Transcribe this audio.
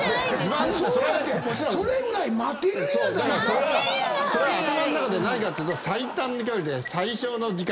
それは頭ん中で何かっていうと。